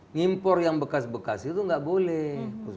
ngimpor yang bekas bekas itu nggak boleh